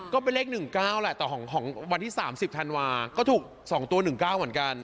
ก็เป็นเลข๑๙แหละแต่ของวันที่๓๐ธันวาก็ถูก๒ตัว๑๙เหมือนกัน